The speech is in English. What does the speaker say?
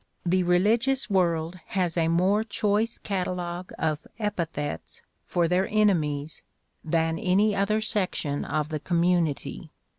The religious world has a more choice catalogue of epithets for their enemies than any other section of the community.